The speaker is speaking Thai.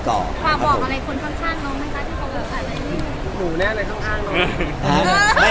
ความบอกอะไรคุณท่านชาติน้องนะคะที่เขาบอกว่าอะไร